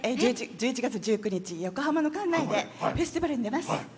１１月１９日横浜の関内でフェスティバルに出ます。